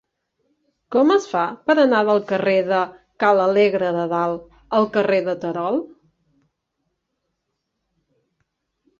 Com es fa per anar del carrer de Ca l'Alegre de Dalt al carrer de Terol?